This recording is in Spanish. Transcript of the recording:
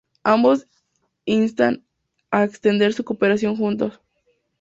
Ambos instan a extender su cooperación juntos.